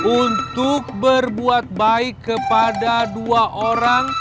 untuk berbuat baik kepada dua orang